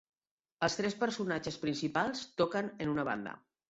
Els tres personatges principals toquen en una banda.